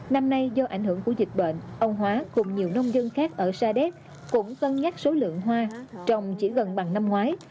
năm nay do ảnh hưởng của dịch bệnh ông hóa cùng nhiều nông dân khác ở sa đéc cũng cân nhắc số lượng hoa trồng chỉ gần bằng năm ngoái